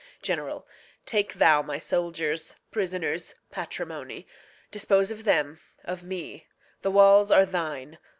General, Take thou my soldiers, prisoners, patrimony; Dispose of them, of me; the walls are thine.